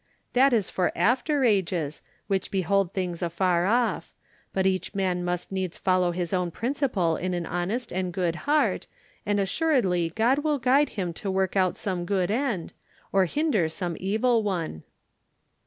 That is for after ages, which behold things afar off; but each man must needs follow his own principle in an honest and good heart, and assuredly God will guide him to work out some good end, or hinder some evil one."